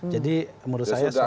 jadi menurut saya soalnya